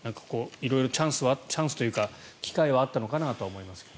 色々チャンスというか、機会はあったのかなと思いますが。